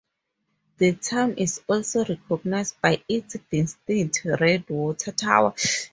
The town is also recognized by its distinct, red water tower.